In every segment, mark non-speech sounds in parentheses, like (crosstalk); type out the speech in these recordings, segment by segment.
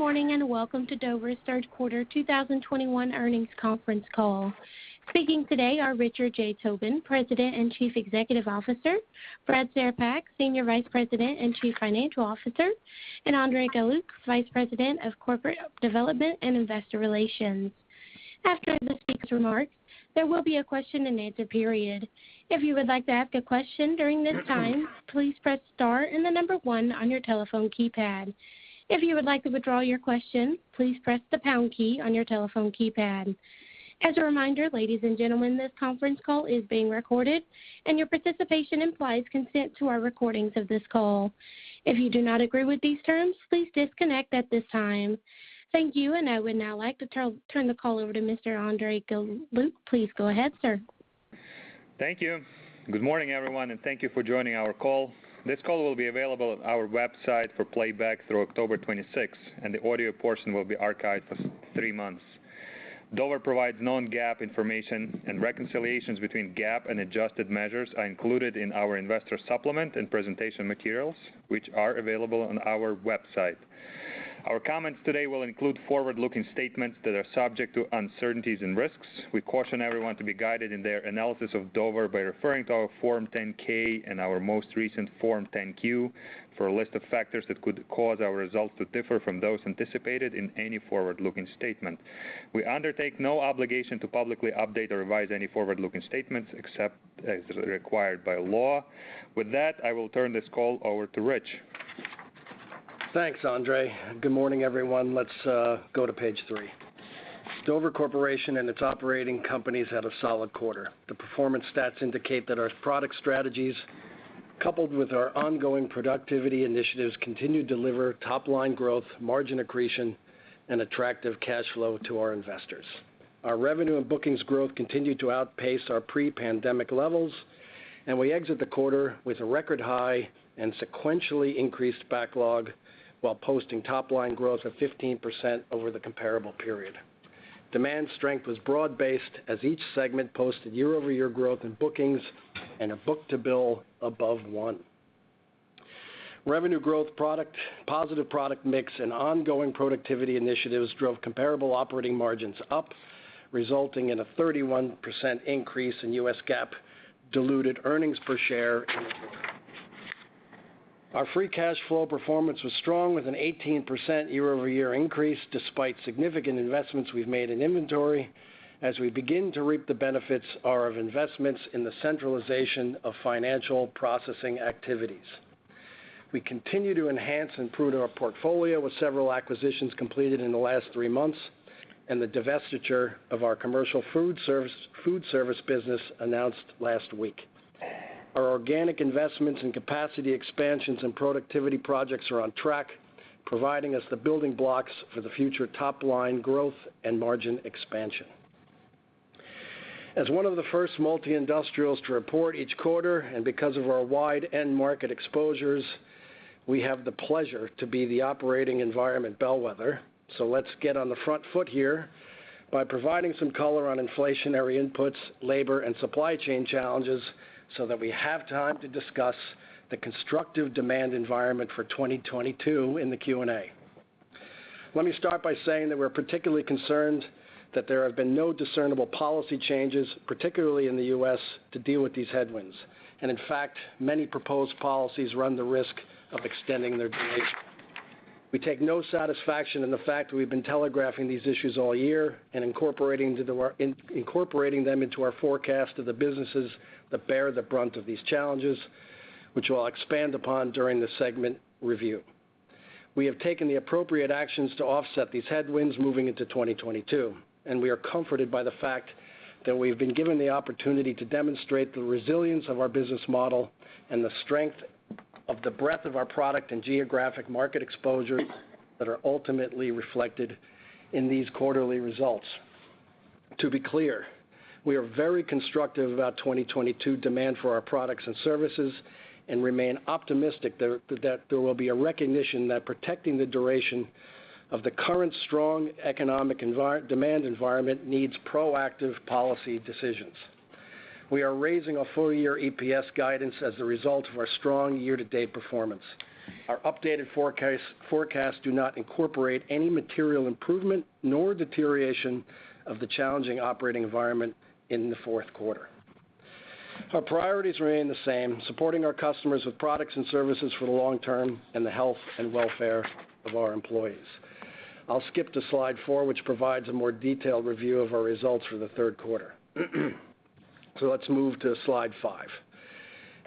Good morning, and welcome to Dover's third quarter 2021 earnings conference call. Speaking today are Richard J. Tobin, President and Chief Executive Officer, Brad Cerepak, Senior Vice President and Chief Financial Officer, and Andrey Galiuk, Vice President of Corporate Development and Investor Relations. After the speaker's remarks, there will be a question-and-answer period. If you would like to ask a question during this time, please press star and the number one on your telephone keypad. If you would like to withdraw your question, please press the pound key on your telephone keypad. As a reminder, ladies and gentlemen, this conference call is being recorded, and your participation implies consent to our recordings of this call. If you do not agree with these terms, please disconnect at this time. Thank you, and I would now like to turn the call over to Mr. Andrey Galiuk, please go ahead, sir. Thank you. Good morning, everyone, and thank you for joining our call. This call will be available on our website for playback through October 26th, and the audio portion will be archived for three months. Dover provides non-GAAP information. Reconciliations between GAAP and adjusted measures are included in our investor supplement and presentation materials, which are available on our website. Our comments today will include forward-looking statements that are subject to uncertainties and risks. We caution everyone to be guided in their analysis of Dover by referring to our Form 10-K and our most recent Form 10-Q for a list of factors that could cause our results to differ from those anticipated in any forward-looking statement. We undertake no obligation to publicly update or revise any forward-looking statements except as required by law. With that, I will turn this call over to Rich. Thanks, Andrey. Good morning everyone? Let's go to page three. Dover Corporation and its operating companies had a solid quarter. The performance stats indicate that our product strategies, coupled with our ongoing productivity initiatives, continue to deliver top-line growth, margin accretion, and attractive cash flow to our investors. Our revenue and bookings growth continued to outpace our pre-pandemic levels, and we exit the quarter with a record high and sequentially increased backlog while posting top-line growth of 15% over the comparable period. Demand strength was broad-based as each segment posted year-over-year growth in bookings and a book-to-bill above one. Revenue growth, positive product mix, and ongoing productivity initiatives drove comparable operating margins up, resulting in a 31% increase in U.S. GAAP diluted earnings per share in the quarter. Our free cash flow performance was strong, with an 18% year-over-year increase despite significant investments we've made in inventory as we begin to reap the benefits of investments in the centralization of financial processing activities. We continue to enhance and prune our portfolio with several acquisitions completed in the last three months and the divestiture of our commercial food service business announced last week. Our organic investments in capacity expansions and productivity projects are on track, providing us the building blocks for the future top-line growth and margin expansion. As one of the first multi-industrials to report each quarter and because of our wide end market exposures, we have the pleasure to be the operating environment bellwether. Let's get on the front foot here by providing some color on inflationary inputs, labor, and supply chain challenges so that we have time to discuss the constructive demand environment for 2022 in the Q&A. Let me start by saying that we're particularly concerned that there have been no discernible policy changes, particularly in the U.S., to deal with these headwinds. In fact, many proposed policies run the risk of extending their duration. We take no satisfaction in the fact that we've been telegraphing these issues all year and incorporating them into our forecast of the businesses that bear the brunt of these challenges, which I'll expand upon during the segment review. We have taken the appropriate actions to offset these headwinds moving into 2022, and we are comforted by the fact that we've been given the opportunity to demonstrate the resilience of our business model and the strength of the breadth of our product and geographic market exposures that are ultimately reflected in these quarterly results. To be clear, we are very constructive about 2022 demand for our products and services and remain optimistic that there will be a recognition that protecting the duration of the current strong economic demand environment needs proactive policy decisions. We are raising our full-year EPS guidance as a result of our strong year-to-date performance. Our updated forecasts do not incorporate any material improvement nor deterioration of the challenging operating environment in the fourth quarter. Our priorities remain the same, supporting our customers with products and services for the long term and the health and welfare of our employees. I'll skip to slide four, which provides a more detailed review of our results for the third quarter. Let's move to slide five.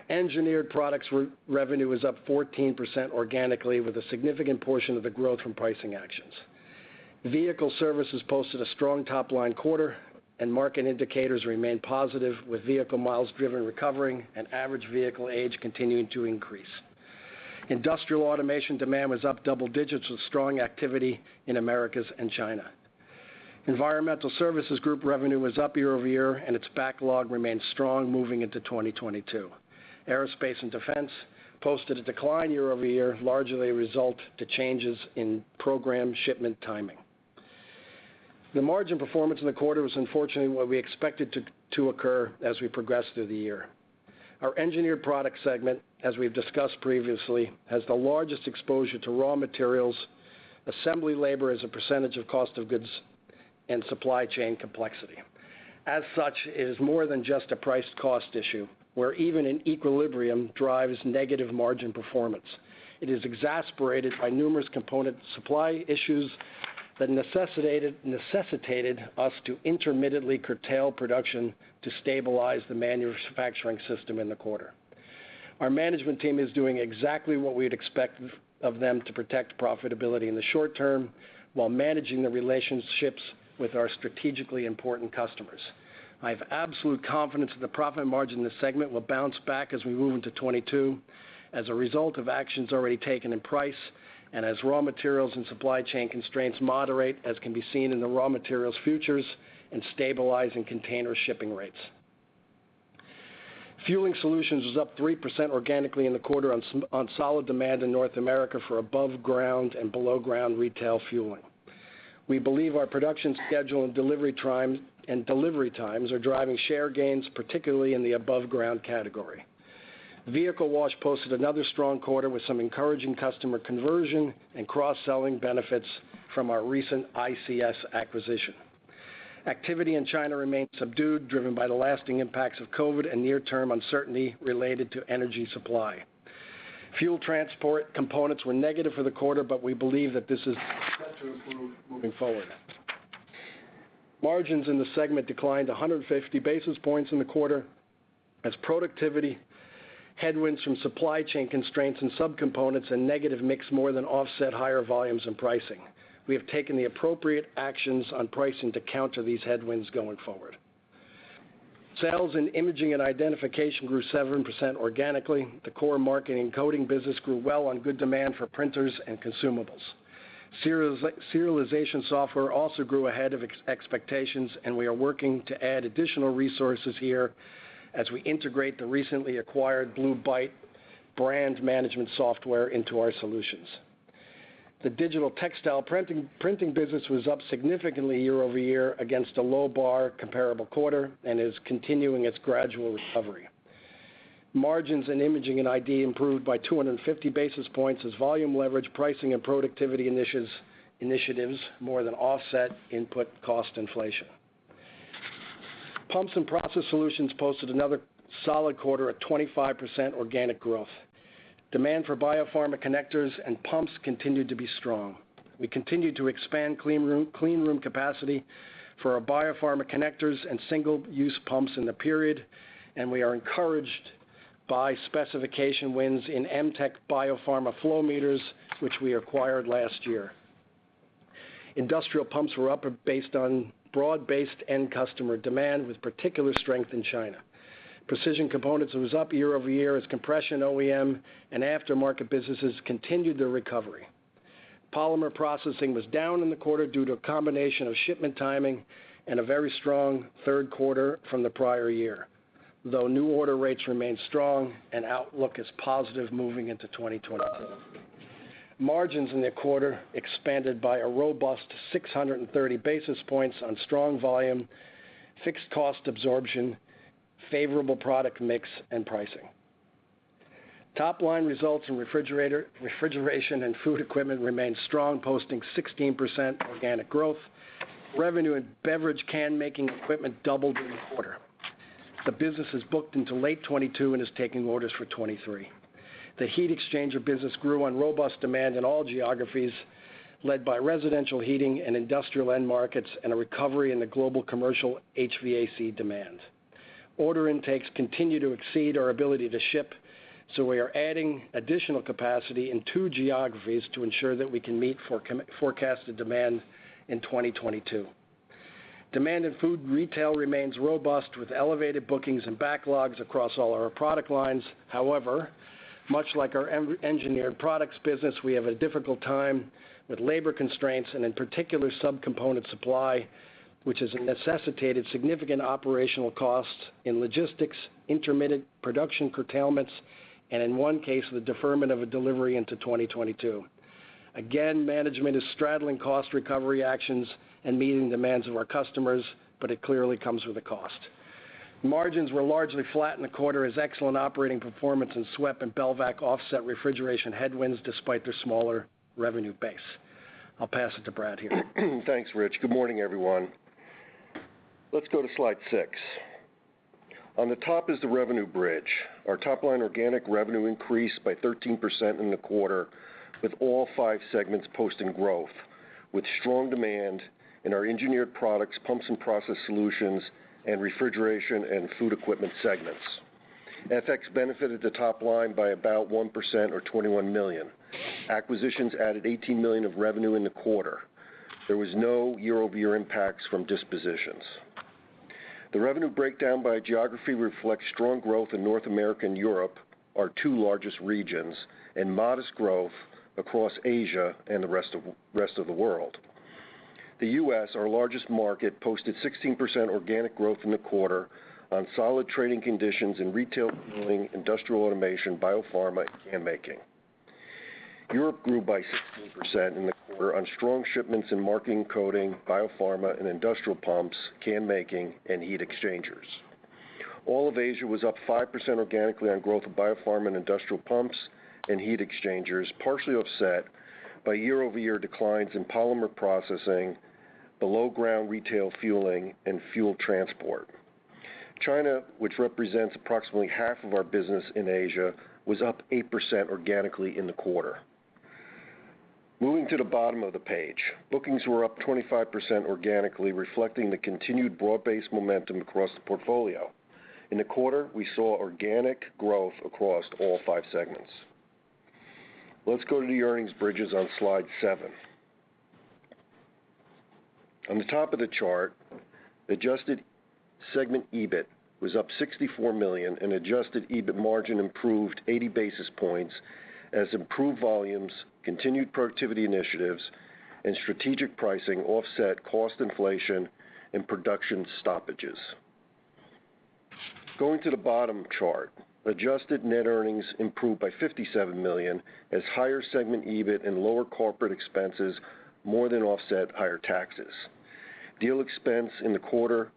Engineered Products revenue was up 14% organically, with a significant portion of the growth from pricing actions. Vehicle Services posted a strong top-line quarter, and market indicators remain positive with vehicle miles driven recovering and average vehicle age continuing to increase. Industrial Automation demand was up double digits with strong activity in Americas and China. Environmental Services Group revenue was up year-over-year, and its backlog remains strong moving into 2022. Aerospace and Defense posted a decline year-over-year, largely a result to changes in program shipment timing. The margin performance in the quarter was unfortunately what we expected to occur as we progress through the year. Our Engineered Products segment, as we've discussed previously, has the largest exposure to raw materials, assembly labor as a percentage of cost of goods, and supply chain complexity. As such, it is more than just a price cost issue, where even in equilibrium, drives negative margin performance. It is exacerbated by numerous component supply issues that necessitated us to intermittently curtail production to stabilize the manufacturing system in the quarter. Our management team is doing exactly what we'd expect of them to protect profitability in the short term, while managing the relationships with our strategically important customers. I have absolute confidence that the profit margin in this segment will bounce back as we move into 2022 as a result of actions already taken in price, and as raw materials and supply chain constraints moderate, as can be seen in the raw materials futures, and stabilizing container shipping rates. Fueling Solutions was up 3% organically in the quarter on solid demand in North America for above-ground and below-ground retail fueling. We believe our production schedule and delivery times are driving share gains, particularly in the above-ground category. Vehicle Wash posted another strong quarter with some encouraging customer conversion and cross-selling benefits from our recent ICS acquisition. Activity in China remains subdued, driven by the lasting impacts of COVID and near-term uncertainty related to energy supply. Fuel transport components were negative for the quarter, but we believe that this is (inaudible) forward. Margins in the segment declined 150 basis points in the quarter, as productivity headwinds from supply chain constraints and sub-components and negative mix more than offset higher volumes and pricing. We have taken the appropriate actions on pricing to counter these headwinds going forward. Sales in Imaging & Identification grew 7% organically. The core marking and coding business grew well on good demand for printers and consumables. Serialization software also grew ahead of expectations, and we are working to add additional resources here as we integrate the recently acquired Blue Bite brand management software into our solutions. The digital textile printing business was up significantly year-over-year against a low bar comparable quarter and is continuing its gradual recovery. Margins in Imaging & ID improved by 250 basis points as volume leverage, pricing, and productivity initiatives more than offset input cost inflation. Pumps & Process Solutions posted another solid quarter at 25% organic growth. Demand for biopharma connectors and pumps continued to be strong. We continued to expand clean room capacity for our biopharma connectors and single-use pumps in the period. We are encouraged by specification wins in Em-tec biopharma flow meters, which we acquired last year. Industrial pumps were up based on broad-based end customer demand with particular strength in China. Precision components was up year-over-year as compression OEM and aftermarket businesses continued their recovery. Polymer processing was down in the quarter due to a combination of shipment timing and a very strong third quarter from the prior year. New order rates remain strong and outlook is positive moving into 2022. Margins in the quarter expanded by a robust 630 basis points on strong volume, fixed cost absorption, favorable product mix, and pricing. Top-line results in Refrigeration & Food Equipment remained strong, posting 16% organic growth. Revenue and beverage can-making equipment doubled in the quarter. The business is booked into late 2022 and is taking orders for 2023. The heat exchanger business grew on robust demand in all geographies, led by residential heating and industrial end markets, and a recovery in the global commercial HVAC demand. Order intakes continue to exceed our ability to ship. We are adding additional capacity in two geographies to ensure that we can meet forecasted demand in 2022. Demand in food and retail remains robust with elevated bookings and backlogs across all our product lines. However, much like our Engineered Products business, we have a difficult time with labor constraints and in particular, sub-component supply, which has necessitated significant operational costs in logistics, intermittent production curtailments, and in one case, the deferment of a delivery into 2022. Again, management is straddling cost recovery actions and meeting demands of our customers, but it clearly comes with a cost. Margins were largely flat in the quarter as excellent operating performance in SWEP and Belvac offset refrigeration headwinds despite their smaller revenue base. I'll pass it to Brad here. Thanks, Rich. Good morning, everyone. Let's go to slide six. On the top is the revenue bridge. Our top-line organic revenue increased by 13% in the quarter with all five segments posting growth, with strong demand in our Engineered Products, Pumps & Process Solutions, and Refrigeration & Food Equipment segments. FX benefited the top line by about 1% or $21 million. Acquisitions added $18 million of revenue in the quarter. There was no year-over-year impacts from dispositions. The revenue breakdown by geography reflects strong growth in North America and Europe, our two largest regions, and modest growth across Asia and the rest of the world. The U.S., our largest market, posted 16% organic growth in the quarter on solid trading conditions in retail cooling, Industrial Automation, biopharma, and can making. Europe grew by 16% in the quarter on strong shipments in marking, coding, biopharma, and industrial pumps, can making, and heat exchangers. All of Asia was up 5% organically on growth of biopharma and industrial pumps and heat exchangers, partially offset by year-over-year declines in polymer processing, below-ground retail fueling, and fuel transport. China, which represents approximately half of our business in Asia, was up 8% organically in the quarter. Moving to the bottom of the page, bookings were up 25% organically, reflecting the continued broad-based momentum across the portfolio. In the quarter, we saw organic growth across all five segments. Let's go to the earnings bridges on slide seven. On the top of the chart, adjusted segment EBIT was up $64 million, and adjusted EBIT margin improved 80 basis points as improved volumes, continued productivity initiatives, and strategic pricing offset cost inflation and production stoppages. Going to the bottom chart, adjusted net earnings improved by $57 million as higher segment EBIT and lower corporate expenses more than offset higher taxes. Deal expense in the quarter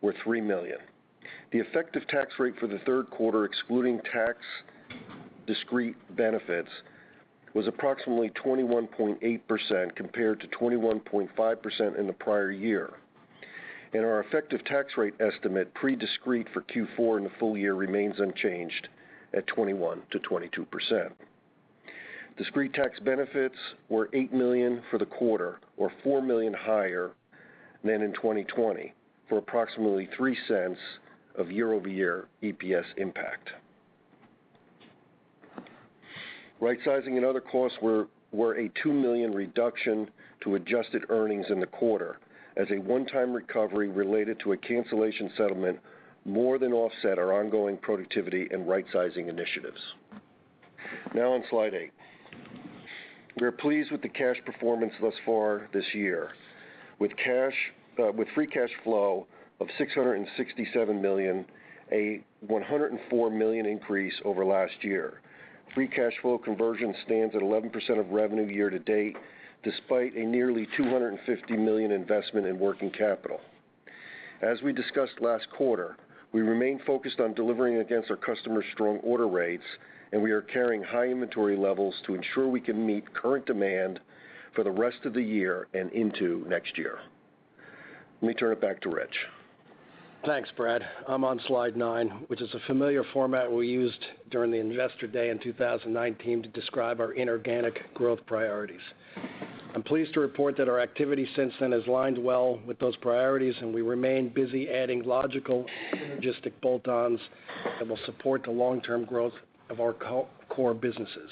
were $3 million. The effective tax rate for the third quarter, excluding tax discrete benefits, was approximately 21.8% compared to 21.5% in the prior year. Our effective tax rate estimate pre-discrete for Q4 and the full year remains unchanged at 21%-22%. Discrete tax benefits were $8 million for the quarter, or $4 million higher than in 2020, for approximately $0.03 of year-over-year EPS impact. Right-sizing and other costs were a $2 million reduction to adjusted earnings in the quarter as a one-time recovery related to a cancellation settlement more than offset our ongoing productivity and right-sizing initiatives. On slide eight. We are pleased with the cash performance thus far this year. With free cash flow of $667 million, a $104 million increase over last year. Free cash flow conversion stands at 11% of revenue year to date, despite a nearly $250 million investment in working capital. As we discussed last quarter, we remain focused on delivering against our customer's strong order rates, and we are carrying high inventory levels to ensure we can meet current demand for the rest of the year and into next year. Let me turn it back to Rich. Thanks, Brad. I'm on slide nine, which is a familiar format we used during the Investor Day in 2019 to describe our inorganic growth priorities. I'm pleased to report that our activity since then has lined well with those priorities, and we remain busy adding logical, synergistic bolt-ons that will support the long-term growth of our core businesses.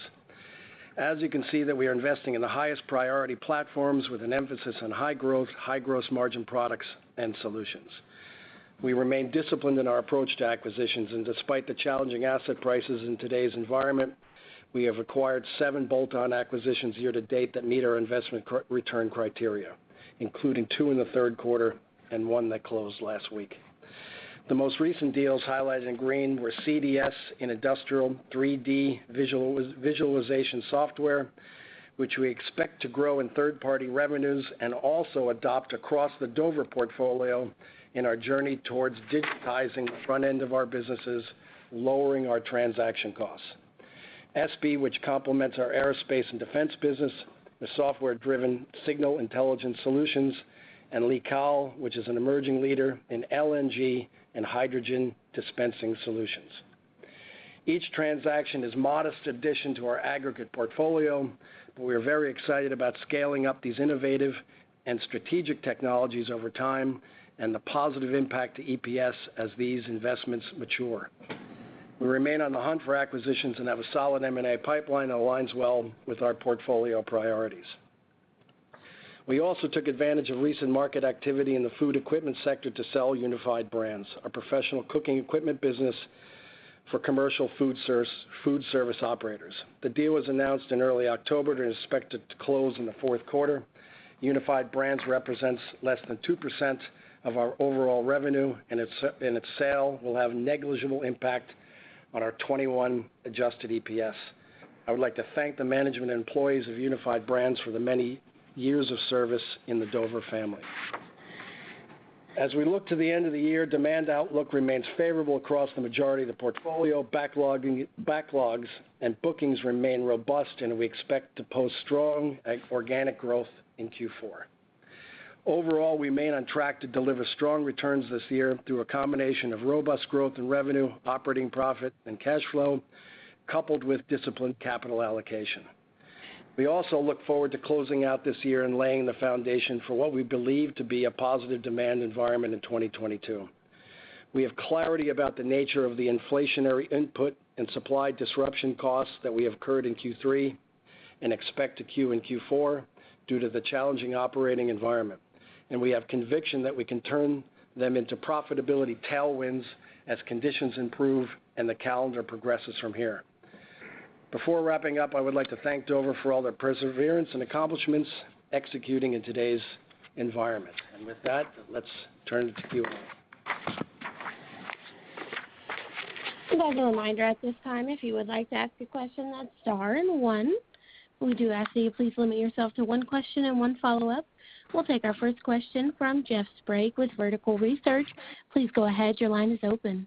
As you can see that we are investing in the highest priority platforms with an emphasis on high growth, high gross margin products and solutions. We remain disciplined in our approach to acquisitions. Despite the challenging asset prices in today's environment, we have acquired seven bolt-on acquisitions year to date that meet our investment return criteria, including two in the third quarter and one that closed last week. The most recent deals, highlighted in green, were CDS in industrial 3D visualization software, which we expect to grow in third-party revenues and also adopt across the Dover portfolio in our journey towards digitizing the front end of our businesses, lowering our transaction costs. Espy, which complements our Aerospace and Defense business with software-driven signal intelligence solutions, and LIQAL, which is an emerging leader in LNG and hydrogen dispensing solutions. Each transaction is modest addition to our aggregate portfolio, but we are very excited about scaling up these innovative and strategic technologies over time and the positive impact to EPS as these investments mature. We remain on the hunt for acquisitions and have a solid M&A pipeline that aligns well with our portfolio priorities. We also took advantage of recent market activity in the food equipment sector to sell Unified Brands, our professional cooking equipment business for commercial food service operators. The deal was announced in early October and is expected to close in the fourth quarter. Unified Brands represents less than 2% of our overall revenue and its sale will have negligible impact on our 2021 adjusted EPS. I would like to thank the management and employees of Unified Brands for the many years of service in the Dover family. As we look to the end of the year, demand outlook remains favorable across the majority of the portfolio. Backlogs and bookings remain robust, and we expect to post strong organic growth in Q4. Overall, we remain on track to deliver strong returns this year through a combination of robust growth in revenue, operating profit, and cash flow, coupled with disciplined capital allocation. We also look forward to closing out this year and laying the foundation for what we believe to be a positive demand environment in 2022. We have clarity about the nature of the inflationary input and supply disruption costs that we have incurred in Q3 and expect in Q4 due to the challenging operating environment. We have conviction that we can turn them into profitability tailwinds as conditions improve and the calendar progresses from here. Before wrapping up, I would like to thank Dover for all their perseverance and accomplishments executing in today's environment. With that, let's turn it to Q&A. As a reminder at this time, if you would like to ask a question, that's star and one. We do ask that you please limit yourself to one question and one follow-up. We'll take our first question from Jeff Sprague with Vertical Research, please go ahead your line is open.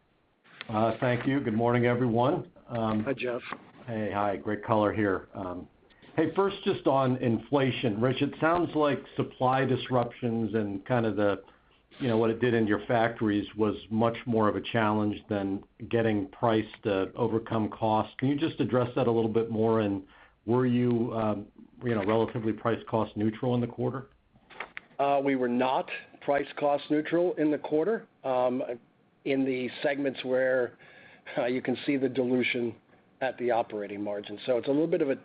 Thank you. Good morning everyone? Hi, Jeff. Hey. Hi. Great color here. Hey, first just on inflation. Rich, it sounds like supply disruptions and what it did in your factories was much more of a challenge than getting price to overcome cost. Can you just address that a little bit more? Were you relatively price cost neutral in the quarter? We were not price cost neutral in the quarter, in the segments where you can see the dilution at the operating margin. It's a little bit of a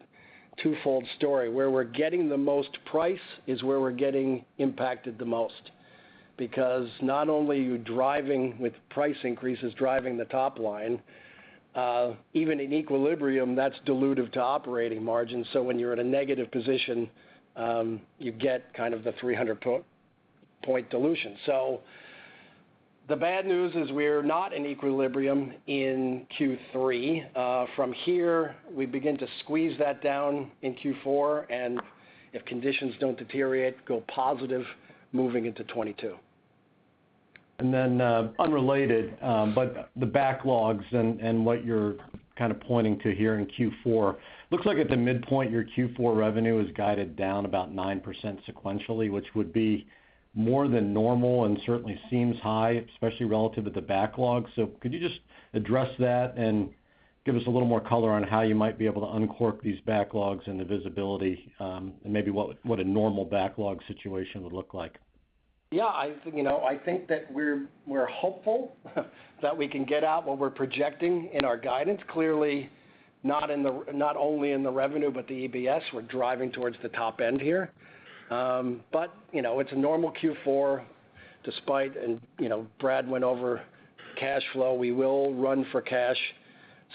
twofold story. Where we're getting the most price is where we're getting impacted the most. Not only are you driving with price increases driving the top line, even in equilibrium, that's dilutive to operating margins. When you're in a negative position, you get kind of the 300-point dilution. The bad news is we're not in equilibrium in Q3. From here, we begin to squeeze that down in Q4, and if conditions don't deteriorate, go positive moving into 2022. Unrelated, but the backlogs and what you're kind of pointing to here in Q4. Looks like at the midpoint, your Q4 revenue is guided down about 9% sequentially, which would be more than normal and certainly seems high, especially relative to the backlog. Could you just address that and give us a little more color on how you might be able to uncork these backlogs and the visibility, and maybe what a normal backlog situation would look like? I think that we're hopeful that we can get out what we're projecting in our guidance. Clearly, not only in the revenue, but the EPS. We're driving towards the top end here. It's a normal Q4 despite, and Brad went over cash flow. We will run for cash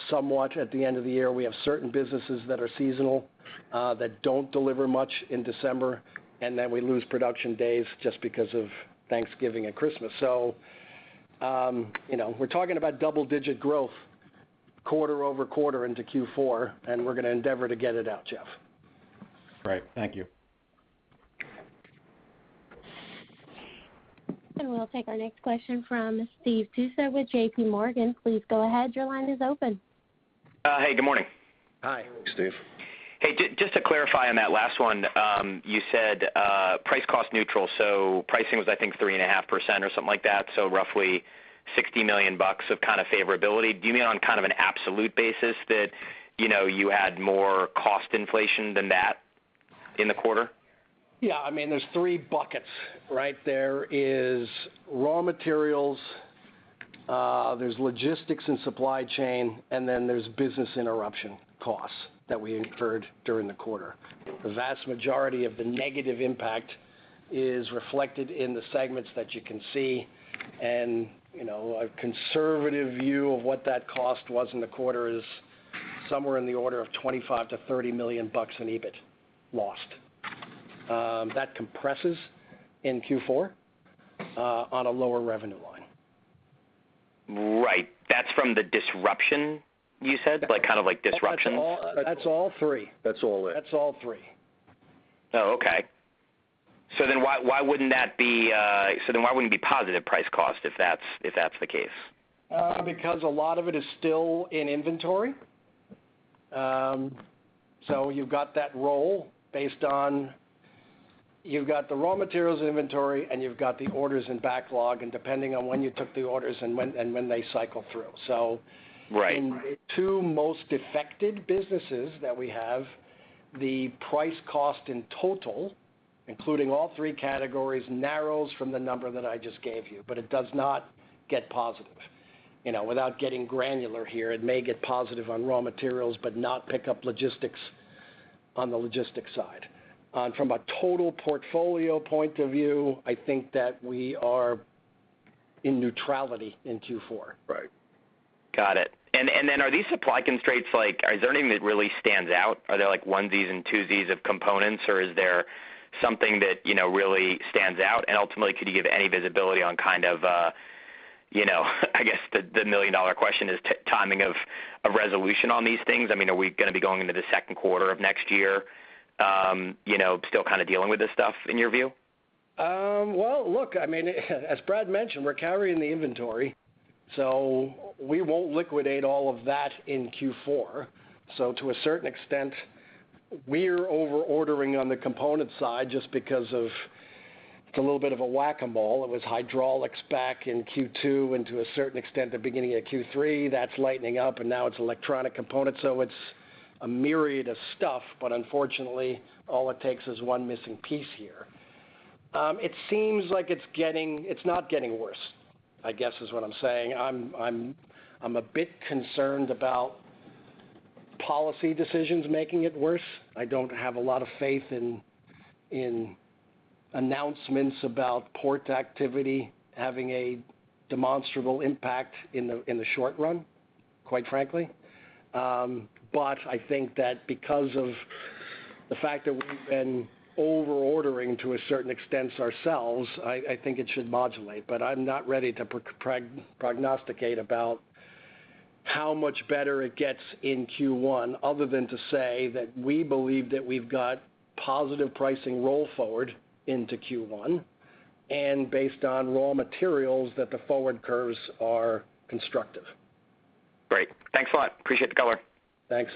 somewhat at the end of the year. We have certain businesses that are seasonal, that don't deliver much in December, and then we lose production days just because of Thanksgiving and Christmas. We're talking about double-digit growth quarter-over-quarter into Q4, and we're going to endeavor to get it out, Jeff. Great. Thank you. We'll take our next question from Steve Tusa with JPMorgan. Hey, good morning? Hi. Steve. Just to clarify on that last one. You said price cost neutral, pricing was, I think 3.5% or something like that. Roughly $60 million of kind of favorability. Do you mean on kind of an absolute basis that you had more cost inflation than that in the quarter? There's three buckets, right? There is raw materials, there's logistics and supply chain, and then there's business interruption costs that we incurred during the quarter. The vast majority of the negative impact is reflected in the segments that you can see. A conservative view of what that cost was in the quarter is somewhere in the order of $25 million-$30 million in EBIT lost. That compresses in Q4 on a lower revenue line. Right. That's from the disruption you said? That's all three. That's all it. That's all three. Oh, okay. Why wouldn't it be positive price cost if that's the case? A lot of it is still in inventory. You've got that roll based on you've got the raw materials inventory, and you've got the orders in backlog, and depending on when you took the orders and when they cycle through. Right. In the two most affected businesses that we have, the price cost in total, including all three categories, narrows from the number that I just gave you. It does not get positive. Without getting granular here, it may get positive on raw materials, but not pick up on the logistics side. From a total portfolio point of view, I think that we are in neutrality in Q4. Got it. Are these supply constraints, is there any that really stands out? Are there like onesies and twosies of components, or is there something that really stands out? Ultimately, could you give any visibility on kind of, I guess, the million-dollar question is timing of a resolution on these things? Are we going to be going into the second quarter of next year still kind of dealing with this stuff in your view? Well, look, as Brad mentioned, we're carrying the inventory, so we won't liquidate all of that in Q4. To a certain extent, we're over-ordering on the component side just because of it's a little bit of a whack-a-mole. It was hydraulics back in Q2, and to a certain extent, the beginning of Q3. That's lightening up, and now it's electronic components. It's a myriad of stuff, but unfortunately, all it takes is one missing piece here. It seems like it's not getting worse, I guess is what I'm saying. I'm a bit concerned about policy decisions making it worse. I don't have a lot of faith in announcements about port activity having a demonstrable impact in the short run, quite frankly. I think that because of the fact that we've been over-ordering to a certain extent ourselves, I think it should modulate. I'm not ready to prognosticate about how much better it gets in Q1, other than to say that we believe that we've got positive pricing roll forward into Q1, and based on raw materials, that the forward curves are constructive. Great. Thanks a lot. Appreciate the color. Thanks.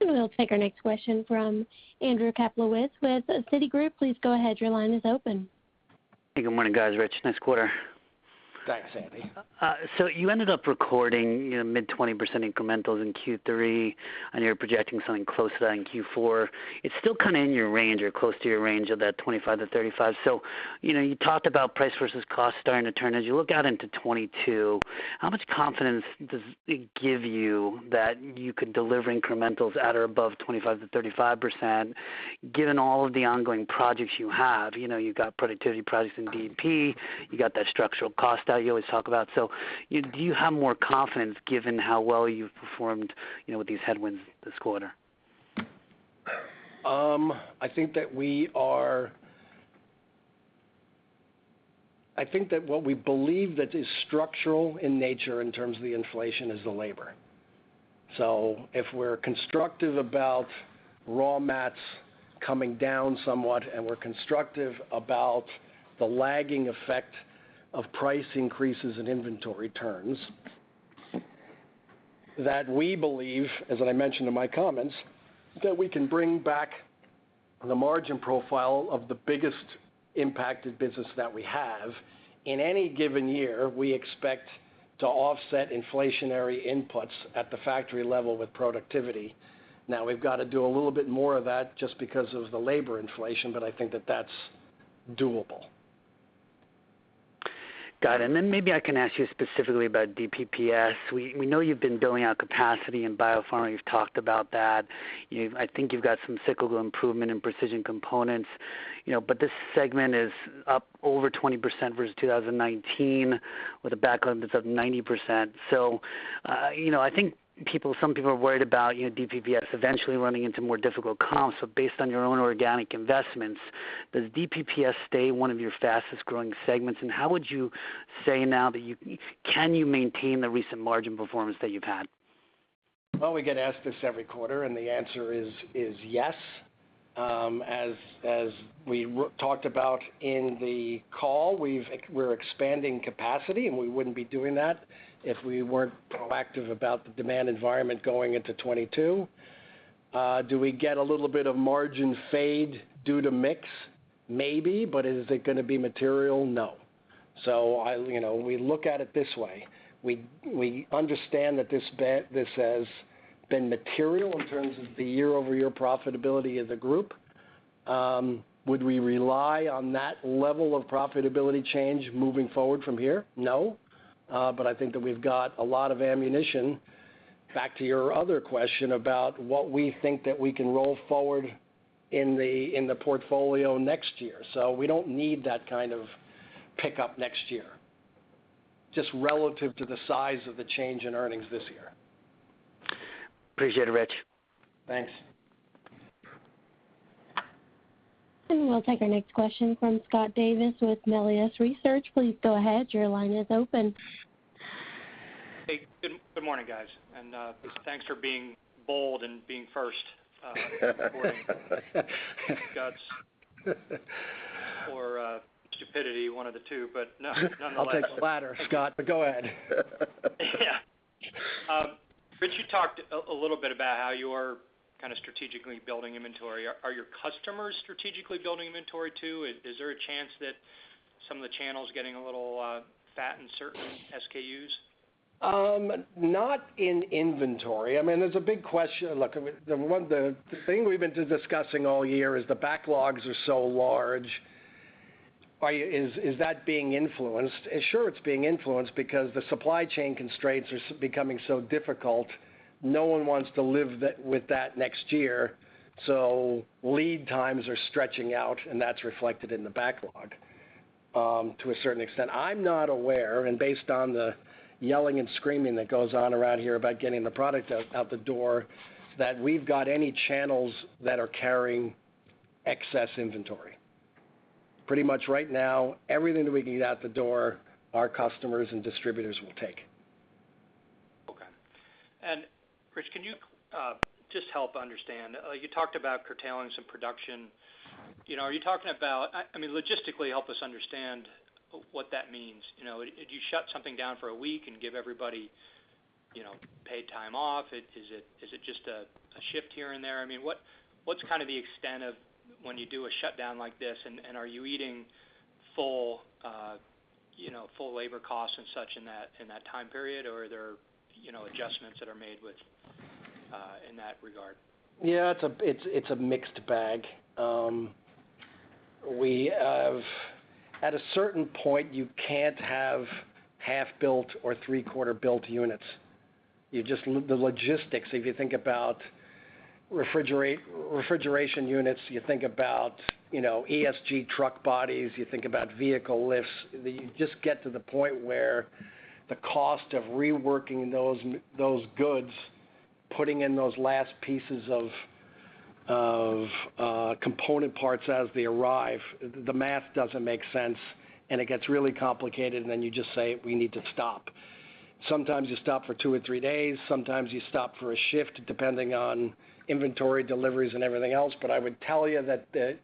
We'll take our next question from Andrew Kaplowitz with Citigroup, please go ahead your line is open. Hey, good morning guys? Rich, nice quarter. Thanks, Andy. You ended up recording mid-20% incrementals in Q3, and you're projecting something close to that in Q4. It's still kind of in your range or close to your range of that 25%-35%. You talked about price versus cost starting to turn. As you look out into 2022, how much confidence does it give you that you could deliver incrementals at or above 25%-35%, given all of the ongoing projects you have? You've got productivity projects in DP, you got that structural cost that you always talk about. Do you have more confidence given how well you've performed with these headwinds this quarter? I think that what we believe that is structural in nature in terms of the inflation is the labor. If we're constructive about raw mats coming down somewhat, and we're constructive about the lagging effect of price increases in inventory turns, that we believe, as I mentioned in my comments, that we can bring back the margin profile of the biggest impacted business that we have. In any given year, we expect to offset inflationary inputs at the factory level with productivity. Now, we've got to do a little bit more of that just because of the labor inflation, but I think that that's doable. Got it. Maybe I can ask you specifically about DPPS. We know you've been building out capacity in biopharma. You've talked about that. I think you've got some cyclical improvement in precision components. This segment is up over 20% versus 2019 with a backlog that's up 90%. I think some people are worried about DPPS eventually running into more difficult comps. Based on your own organic investments, does DPPS stay one of your fastest-growing segments? How would you say now that can you maintain the recent margin performance that you've had? Well, we get asked this every quarter. The answer is yes. As we talked about in the call, we're expanding capacity. We wouldn't be doing that if we weren't proactive about the demand environment going into 2022. Do we get a little bit of margin fade due to mix? Maybe. Is it going to be material? No. We look at it this way. We understand that this has been material in terms of the year-over-year profitability of the group. Would we rely on that level of profitability change moving forward from here? No. I think that we've got a lot of ammunition, back to your other question about what we think that we can roll forward in the portfolio next year. We don't need that kind of pickup next year, just relative to the size of the change in earnings this year. Appreciate it, Rich. Thanks. We'll take our next question from Scott Davis with Melius Research, please go ahead. Hey, good morning guys? Thanks for being bold and being first this morning. Guts or stupidity, one of the two. No, nonetheless. I'll take the latter, Scott, but go ahead. Yeah. Rich, you talked a little bit about how you are kind of strategically building inventory. Are your customers strategically building inventory too? Is there a chance that some of the channels getting a little fat in certain SKUs? Not in inventory. There's a big question. Look, the thing we've been discussing all year is the backlogs are so large. Is that being influenced? Sure, it's being influenced because the supply chain constraints are becoming so difficult. No one wants to live with that next year, so lead times are stretching out, and that's reflected in the backlog to a certain extent. I'm not aware, and based on the yelling and screaming that goes on around here about getting the product out the door, that we've got any channels that are carrying excess inventory. Pretty much right now, everything that we get out the door, our customers and distributors will take. Okay. Rich, can you just help understand. You talked about curtailing some production. Logistically, help us understand what that means. Did you shut something down for a week and give everybody paid time off? Is it just a shift here and there? What's kind of the extent of when you do a shutdown like this, and are you eating full labor costs and such in that time period, or are there adjustments that are made in that regard? Yeah, it's a mixed bag. At a certain point, you can't have half-built or three-quarter built units. The logistics, if you think about refrigeration units, you think about ESG truck bodies, you think about vehicle lifts. You just get to the point where the cost of reworking those goods, putting in those last pieces of component parts as they arrive, the math doesn't make sense, and it gets really complicated, and then you just say, we need to stop. Sometimes you stop for two or three days. Sometimes you stop for a shift, depending on inventory deliveries and everything else. I would tell you that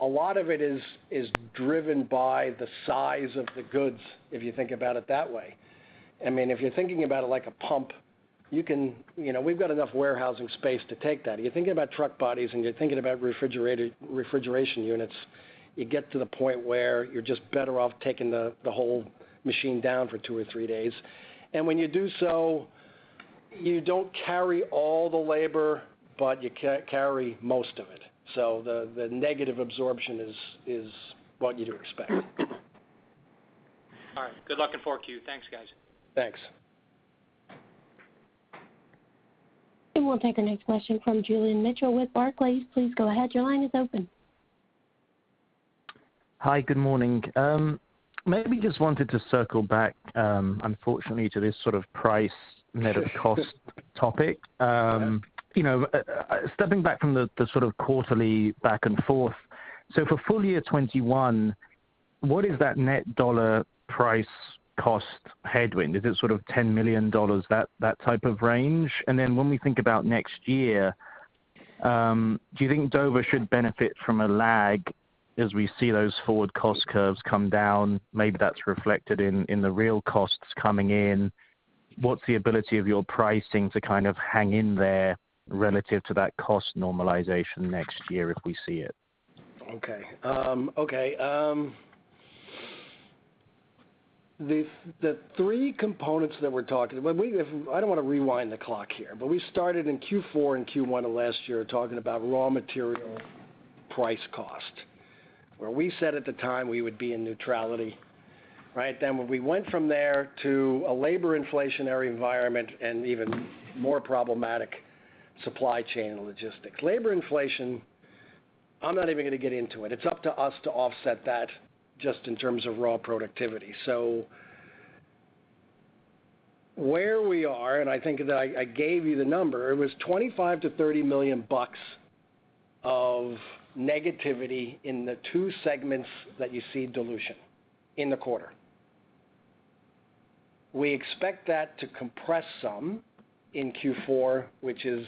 a lot of it is driven by the size of the goods, if you think about it that way. If you're thinking about it like a pump, we've got enough warehousing space to take that. You're thinking about truck bodies, and you're thinking about refrigeration units, you get to the point where you're just better off taking the whole machine down for two or three days. When you do so, you don't carry all the labor, but you carry most of it, so the negative absorption is what you'd expect. All right. Good luck in 4Q. Thanks, guys. Thanks. We'll take the next question from Julian Mitchell with Barclays, please go ahead. Hi. Good morning? Maybe just wanted to circle back, unfortunately, to this sort of price net of cost topic. Yeah. Stepping back from the sort of quarterly back and forth, for full year 2021, what is that net dollar price cost headwind? Is it sort of $10 million, that type of range? When we think about next year, do you think Dover should benefit from a lag as we see those forward cost curves come down? Maybe that's reflected in the real costs coming in. What's the ability of your pricing to kind of hang in there relative to that cost normalization next year if we see it? Okay uhm, the three components that were are talking, I don't want to rewind the clock here, but we started in Q4 and Q1 of last year talking about raw material price cost, where we said at the time we would be in neutrality. When we went from there to a labor inflationary environment and even more problematic supply chain logistics. Labor inflation, I'm not even going to get into it. It's up to us to offset that just in terms of raw productivity. Where we are, and I think that I gave you the number, it was $25 million-$30 million of negativity in the two segments that you see dilution in the quarter. We expect that to compress some in Q4, which is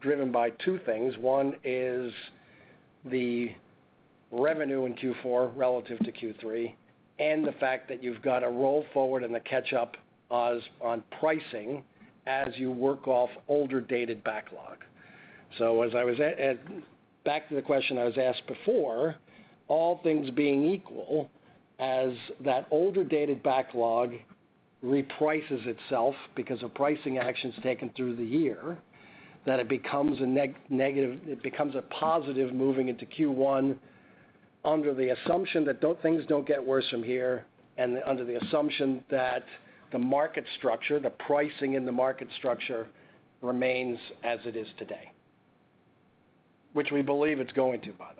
driven by two things. One is the revenue in Q4 relative to Q3, and the fact that you've got to roll forward and the catch up on pricing as you work off older dated backlog. Back to the question I was asked before, all things being equal, as that older dated backlog reprices itself because of pricing actions taken through the year, that it becomes a positive moving into Q1 under the assumption that things don't get worse from here and under the assumption that the pricing in the market structure remains as it is today. Which we believe it's going to, by the way.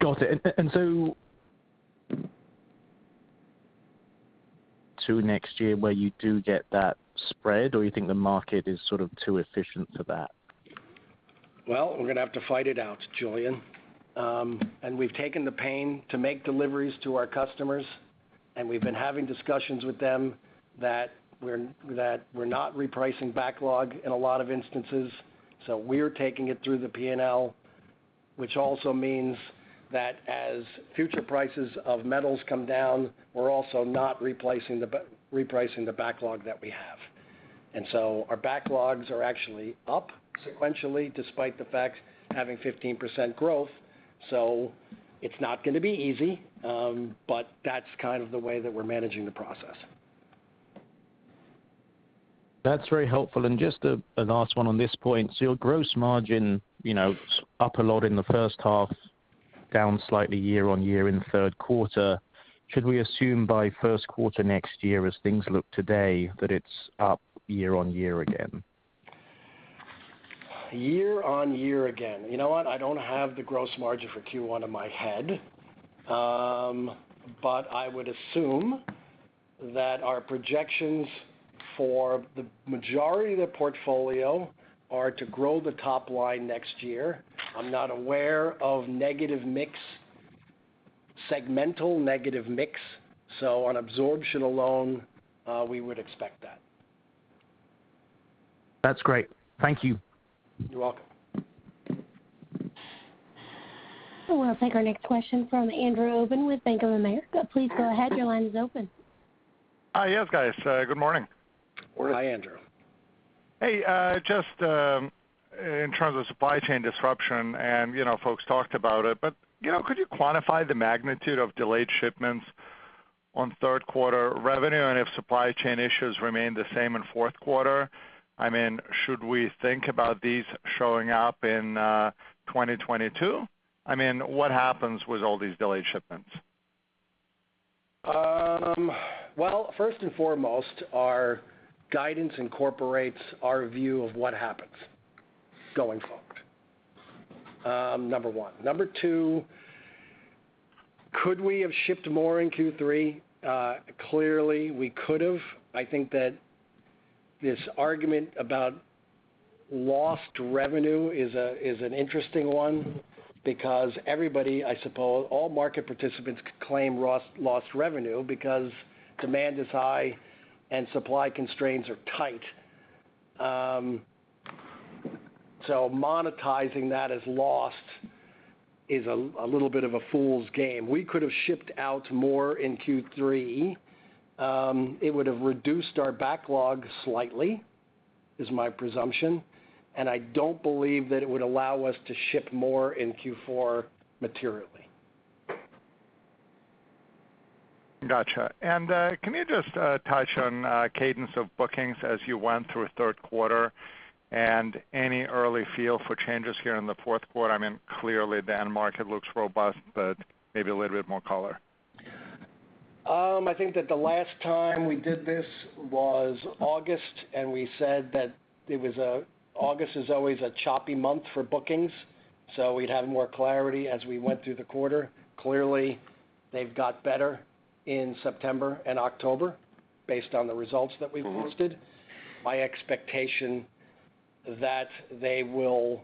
Got it. To next year where you do get that spread, or you think the market is sort of too efficient for that? Well, we're going to have to fight it out, Julian. We've taken the pain to make deliveries to our customers, and we've been having discussions with them that we're not repricing backlog in a lot of instances. We're taking it through the P&L, which also means that as future prices of metals come down, we're also not repricing the backlog that we have. Our backlogs are actually up sequentially despite the fact having 15% growth. It's not going to be easy, but that's kind of the way that we're managing the process. That's very helpful. Just a last one on this point. Your gross margin up a lot in the first half, down slightly year-on-year in the third quarter. Should we assume by first quarter next year as things look today that it's up year-on-year again? Year-over-year again. You know what? I don't have the gross margin for Q1 in my head. I would assume that our projections for the majority of the portfolio are to grow the top line next year. I'm not aware of segmental negative mix. On absorption alone, we would expect that. That's great. Thank you. You're welcome. I want to take our next question from Andrew Obin with Bank of America, please go ahead. your line is open. Hi. Yes, guys. Good morning? Hi, Andrew. Hey. Just in terms of supply chain disruption, and folks talked about it, but could you quantify the magnitude of delayed shipments on third quarter revenue? If supply chain issues remain the same in fourth quarter, should we think about these showing up in 2022? What happens with all these delayed shipments? Well, first and foremost, our guidance incorporates our view of what happens going forward, number one. Number two. Could we have shipped more in Q3? Clearly, we could have. I think that this argument about lost revenue is an interesting one because everybody, I suppose, all market participants could claim lost revenue because demand is high and supply constraints are tight. Monetizing that as lost is a little bit of a fool's game. We could have shipped out more in Q3. It would've reduced our backlog slightly, is my presumption, and I don't believe that it would allow us to ship more in Q4 materially. Got you. Can you just touch on cadence of bookings as you went through third quarter and any early feel for changes here in the fourth quarter? Clearly, the end market looks robust, but maybe a little bit more color. I think that the last time we did this was August, and we said that August is always a choppy month for bookings, so we'd have more clarity as we went through the quarter. Clearly, they've got better in September and October based on the results that we've posted. My expectation that they will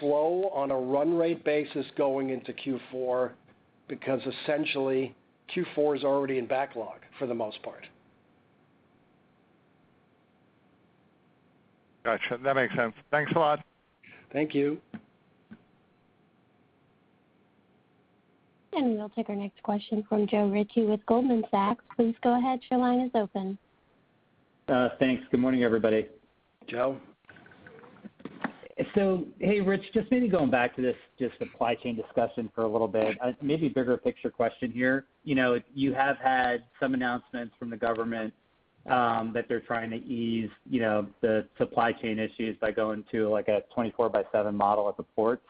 slow on a run rate basis going into Q4 because essentially Q4 is already in backlog for the most part. Got you. That makes sense. Thanks a lot. Thank you. We'll take our next question from Joe Ritchie with Goldman Sachs. Thanks. Good morning everybody? Joe. Hey, Rich, just maybe going back to this supply chain discussion for a little bit. Maybe bigger picture question here. You have had some announcements from the government that they're trying to ease the supply chain issues by going to a 24/7 model at the ports.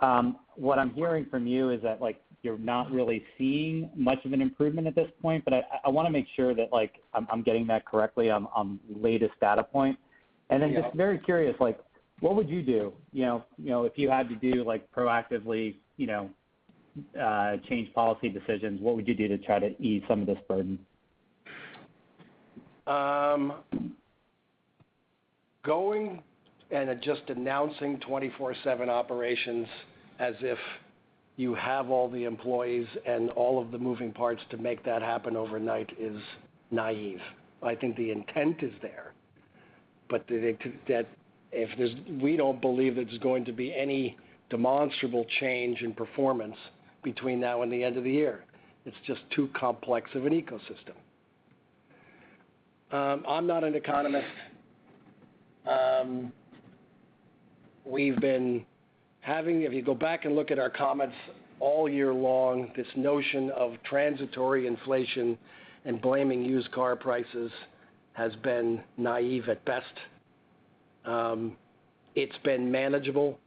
What I'm hearing from you is that you're not really seeing much of an improvement at this point, but I want to make sure that I'm getting that correctly on latest data point. Just very curious, what would you do if you had to do proactively change policy decisions? What would you do to try to ease some of this burden? Going and just announcing 24/7 operations as if you have all the employees and all of the moving parts to make that happen overnight is naive. I think the intent is there, but we don't believe there's going to be any demonstrable change in performance between now and the end of the year. It's just too complex of an ecosystem. I'm not an economist. If you go back and look at our comments all year long, this notion of transitory inflation and blaming used car prices has been naive at best. It's been manageable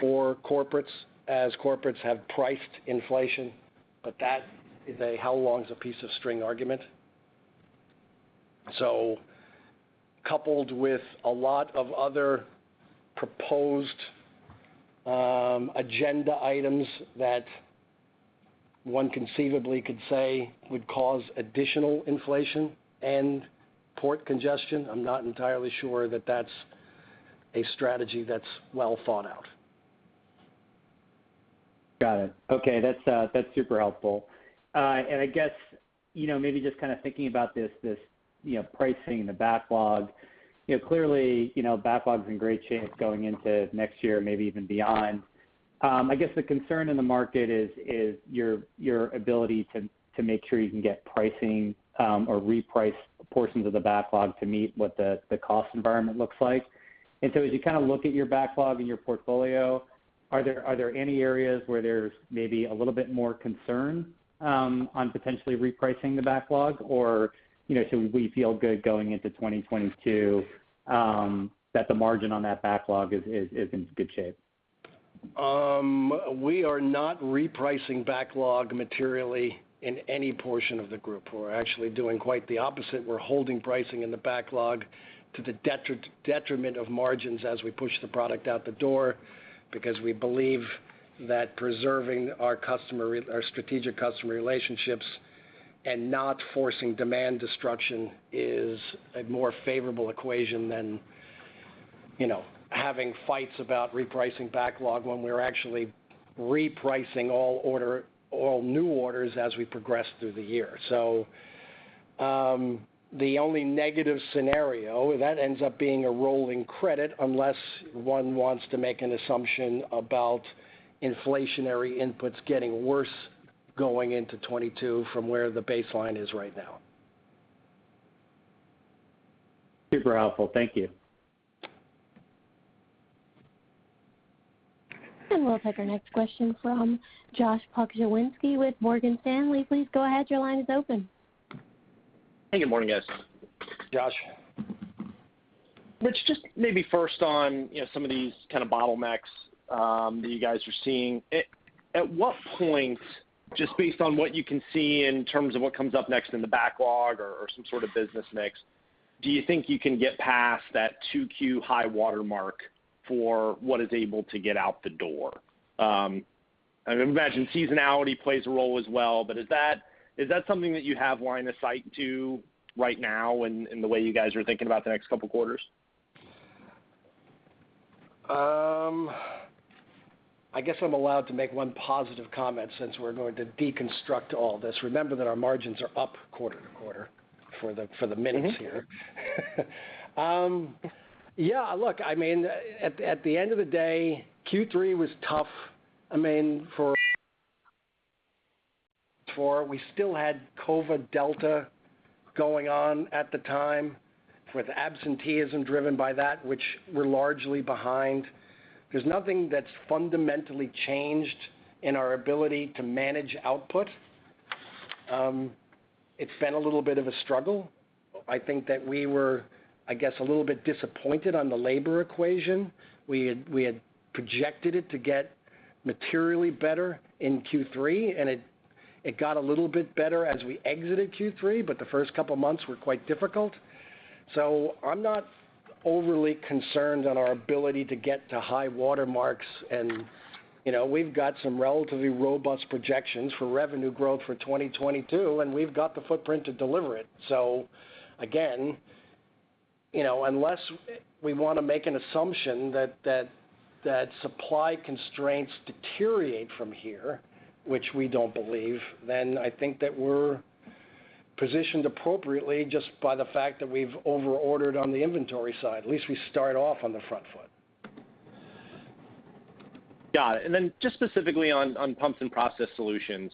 for corporates as corporates have priced inflation, but that is a how long is a piece of string argument. Coupled with a lot of other proposed agenda items that one conceivably could say would cause additional inflation and port congestion, I'm not entirely sure that's a strategy that's well thought out. Got it. Okay. That's super helpful. I guess maybe just kind of thinking about this pricing and the backlog. Clearly backlog is in great shape going into next year, maybe even beyond. I guess the concern in the market is your ability to make sure you can get pricing or reprice portions of the backlog to meet what the cost environment looks like. As you kind of look at your backlog and your portfolio, are there any areas where there's maybe a little bit more concern on potentially repricing the backlog or should we feel good going into 2022 that the margin on that backlog is in good shape? We are not repricing backlog materially in any portion of the group. We're actually doing quite the opposite. We're holding pricing in the backlog to the detriment of margins as we push the product out the door because we believe that preserving our strategic customer relationships and not forcing demand destruction is a more favorable equation than having fights about repricing backlog when we are actually repricing all new orders as we progress through the year. The only negative scenario that ends up being a rolling credit unless one wants to make an assumption about inflationary inputs getting worse going into 2022 from where the baseline is right now. Super helpful. Thank you. We'll take our next question from Josh Pokrzywinski with Morgan Stanley, please go ahead. your line is open. Hey, good morning guys? Josh. Rich, just maybe first on some of these kind of bottlenecks that you guys are seeing. At what point, just based on what you can see in terms of what comes up next in the backlog or some sort of business mix, do you think you can get past that 2Q high water mark for what is able to get out the door? Is that something that you have line of sight to right now in the way you guys are thinking about the next couple of quarters? I guess I'm allowed to make one positive comment since we're going to deconstruct all this. Remember that our margins are up quarter-to-quarter for the (inaudible) here. Yeah, look, at the end of the day, Q3 was tough. We still had COVID Delta going on at the time with absenteeism driven by that, which we're largely behind. There's nothing that's fundamentally changed in our ability to manage output. It's been a little bit of a struggle. I think that we were, I guess, a little bit disappointed on the labor equation. We had projected it to get materially better in Q3, and it got a little bit better as we exited Q3, but the first couple of months were quite difficult. I'm not overly concerned on our ability to get to high water marks and we've got some relatively robust projections for revenue growth for 2022, and we've got the footprint to deliver it. Again, unless we want to make an assumption that supply constraints deteriorate from here, which we don't believe, then I think that we're positioned appropriately just by the fact that we've over-ordered on the inventory side. At least we start off on the front foot. Got it. Just specifically on Pumps & Process Solutions,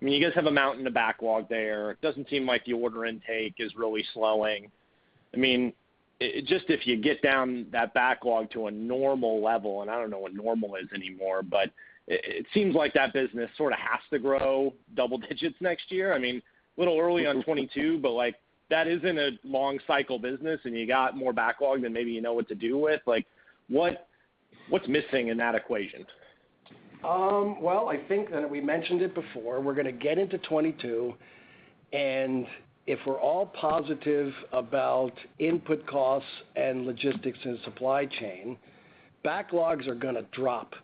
you guys have a mountain of backlog there. It doesn't seem like the order intake is really slowing. Just if you get down that backlog to a normal level, and I don't know what normal is anymore, but it seems like that business sort of has to grow double digits next year. A little early on 2022, that isn't a long cycle business and you got more backlog than maybe you know what to do with. What's missing in that equation? I think that we mentioned it before, we're going to get into 2022, and if we're all positive about input costs and logistics and supply chain, backlogs are going to drop.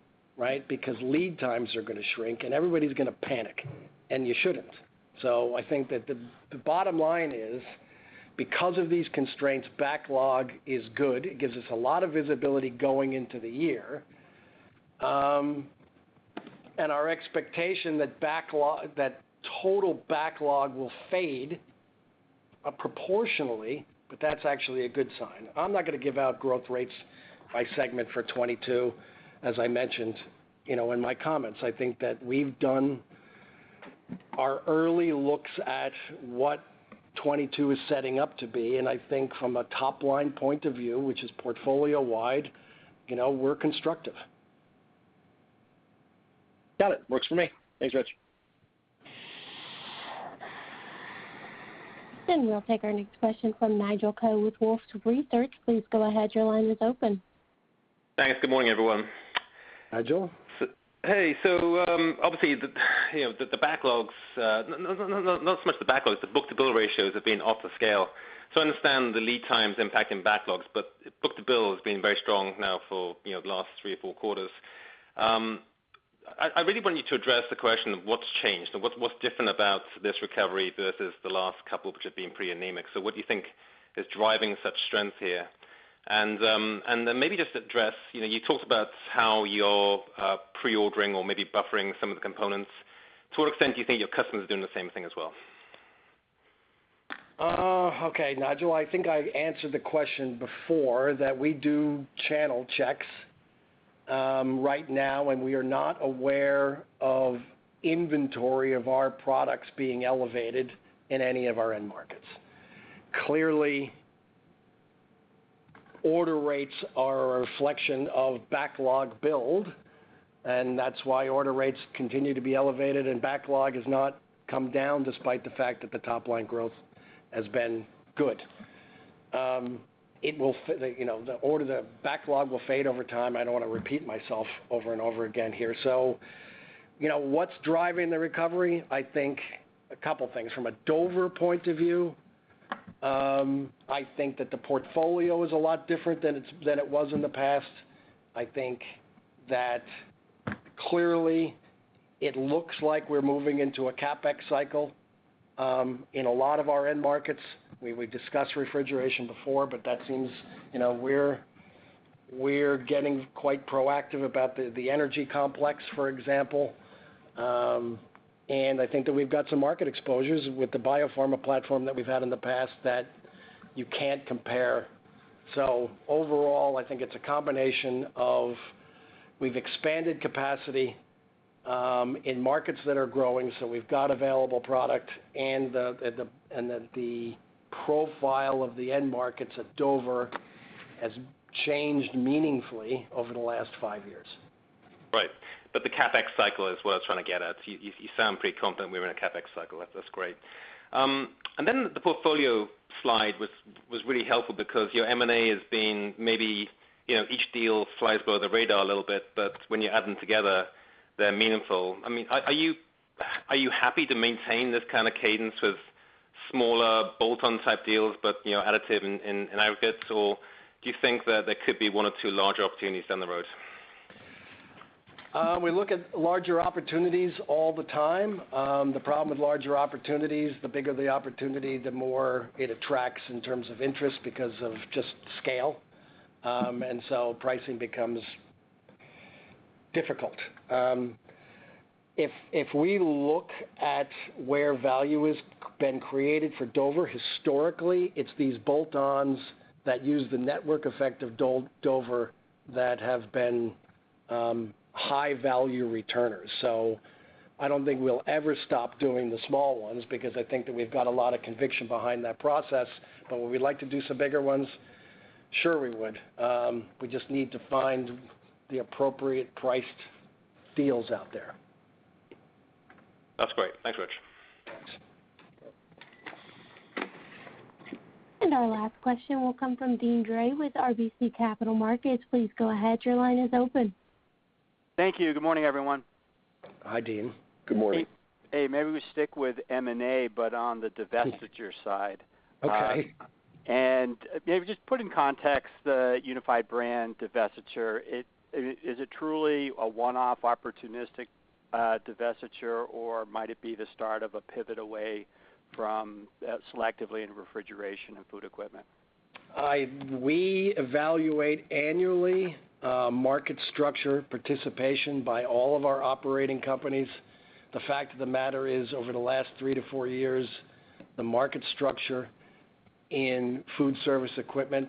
Lead times are going to shrink and everybody's going to panic, and you shouldn't. I think that the bottom line is, because of these constraints, backlog is good. It gives us a lot of visibility going into the year. Our expectation that total backlog will fade proportionally, but that's actually a good sign. I'm not going to give out growth rates by segment for 2022, as I mentioned in my comments. I think that we've done our early looks at what 2022 is setting up to be, and I think from a top-line point of view, which is portfolio-wide, we're constructive. Got it. Works for me. Thanks, Rich. We'll take our next question from Nigel Coe with Wolfe Research, please go ahead your line is open. Thanks. Good morning everyone? Nigel. Hey. Obviously, the backlogs, not so much the backlogs, the book-to-bill ratios have been off the scale. I understand the lead times impacting backlogs, but book-to-bill has been very strong now for the last three or four quarters. I really want you to address the question of what's changed and what's different about this recovery versus the last couple, which have been pretty anemic. What do you think is driving such strength here? Then maybe just address, you talked about how you're pre-ordering or maybe buffering some of the components. To what extent do you think your customers are doing the same thing as well? Nigel, I think I've answered the question before that we do channel checks right now, and we are not aware of inventory of our products being elevated in any of our end-markets. Order rates are a reflection of backlog build, and that's why order rates continue to be elevated and backlog has not come down, despite the fact that the top-line growth has been good. The backlog will fade over time. I don't want to repeat myself over and over again here. What's driving the recovery? I think a couple things. From a Dover point of view, I think that the portfolio is a lot different than it was in the past. I think that clearly it looks like we're moving into a CapEx cycle in a lot of our end markets. We discussed refrigeration before, but that seems we're getting quite proactive about the energy complex, for example. I think that we've got some market exposures with the biopharma platform that we've had in the past that you can't compare. Overall, I think it's a combination of we've expanded capacity in markets that are growing, so we've got available product, and that the profile of the end markets at Dover has changed meaningfully over the last five years. Right. The CapEx cycle is what I was trying to get at. You sound pretty confident we're in a CapEx cycle. That's great. The portfolio slide was really helpful because your M&A has been maybe each deal flies below the radar a little bit, but when you add them together, they're meaningful. Are you happy to maintain this kind of cadence with smaller bolt-on type deals, but additive in aggregate, or do you think that there could be one or two larger opportunities down the road? We look at larger opportunities all the time. The problem with larger opportunities, the bigger the opportunity, the more it attracts in terms of interest because of just scale. Pricing becomes difficult. If we look at where value has been created for Dover historically, it's these bolt-ons that use the network effect of Dover that have been high-value returners. I don't think we'll ever stop doing the small ones, because I think that we've got a lot of conviction behind that process. Would we like to do some bigger ones? Sure we would. We just need to find the appropriate-priced deals out there. That's great. Thanks, Rich. Thanks. Our last question will come from Deane Dray with RBC Capital Markets, please go ahead your line is open. Thank you. Good morning everyone? Hi, Deane. Good morning. Hey. Maybe we stick with M&A, but on the divestiture side. Okay. Maybe just put in context the Unified Brands divestiture. Is it truly a one-off opportunistic divestiture, or might it be the start of a pivot away from selectively in Refrigeration & Food Equipment? We evaluate annually market structure participation by all of our operating companies. The fact of the matter is, over the last three to four years, the market structure in food service equipment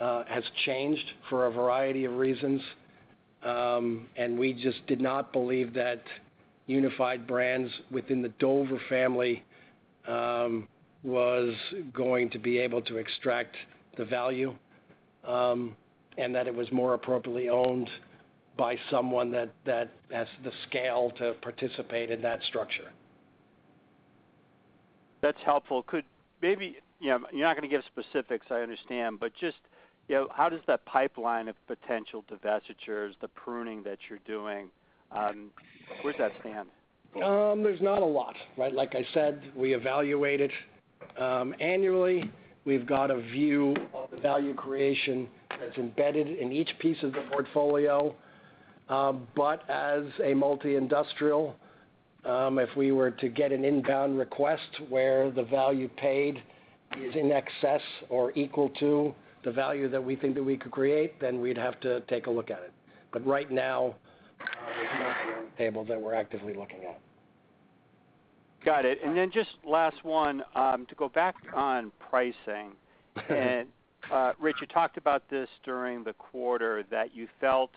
has changed for a variety of reasons. We just did not believe that Unified Brands within the Dover family was going to be able to extract the value and that it was more appropriately owned by someone that has the scale to participate in that structure. That's helpful. You're not going to give specifics, I understand. Just how does that pipeline of potential divestitures, the pruning that you're doing, where does that stand? There's not a lot. Like I said, we evaluate it annually. We've got a view of the value creation that's embedded in each piece of the portfolio. As a multi-industrial, if we were to get an inbound request where the value paid is in excess or equal to the value that we think that we could create, then we'd have to take a look at it. Right now, there's nothing on the table that we're actively looking at. Got it. Just last one, to go back on pricing. Rich, you talked about this during the quarter, that you felt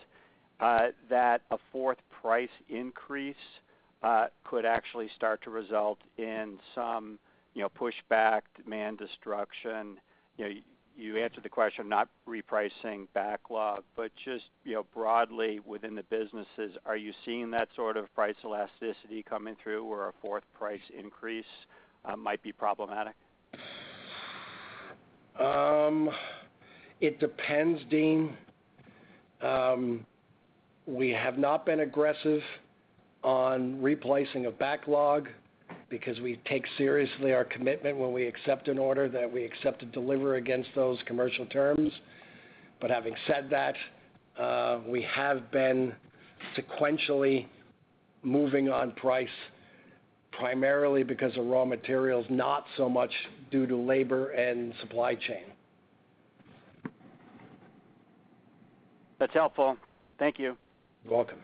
that a fourth price increase could actually start to result in some pushback, demand destruction. You answered the question not repricing backlog, but just broadly within the businesses, are you seeing that sort of price elasticity coming through where a fourth price increase might be problematic? It depends, Deane. We have not been aggressive on replacing a backlog because we take seriously our commitment when we accept an order that we accept to deliver against those commercial terms. Having said that, we have been sequentially moving on price primarily because of raw materials, not so much due to labor and supply chain. That's helpful. Thank you. You're welcome.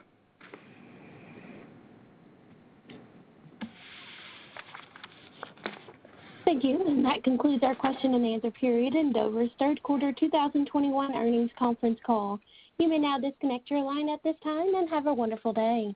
Thank you. That concludes our question and answer period in Dover's third quarter 2021 earnings conference call, you may now disconnect your line at this time. Have a wonderful day.